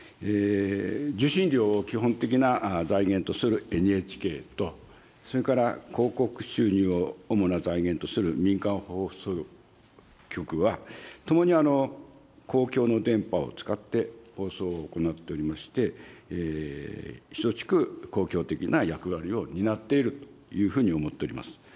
受信料を基本的な財源とするＮＨＫと、それから広告収入を主な財源とする民間放送局は、ともに公共の電波を使って放送を行っておりまして、ひとしく公共的な役割を担っているというふうに思っております。